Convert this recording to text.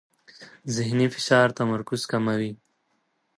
ذهني فشار تمرکز کموي.